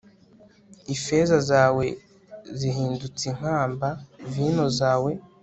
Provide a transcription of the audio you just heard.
ifeza zawe zihindutse inkamba, vino zawe